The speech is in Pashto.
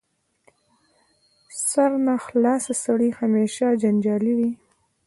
سرناخلاصه سړی همېشه جنجالي وي.